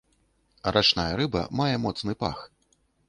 Рачная рыба мае моцны пах.